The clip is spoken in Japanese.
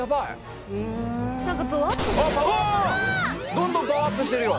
どんどんパワーアップしてるよ。